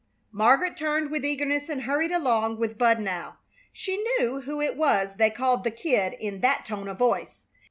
Margaret turned with eagerness and hurried along with Bud now. She knew who it was they called the Kid in that tone of voice.